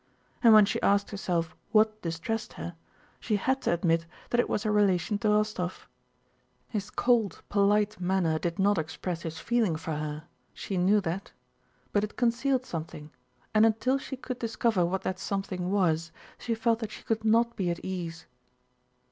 And when she asked herself what distressed her, she had to admit that it was her relation to Rostóv. His cold, polite manner did not express his feeling for her (she knew that) but it concealed something, and until she could discover what that something was, she felt that she could not be at ease.